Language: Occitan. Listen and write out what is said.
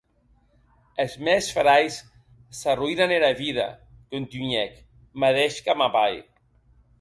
Es mèns frairs s'arroïnen era vida, contunhèc, madeish que ma pair.